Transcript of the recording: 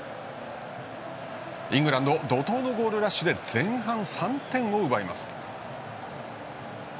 イングランド怒とうのゴールラッシュで前半、３点を奪います。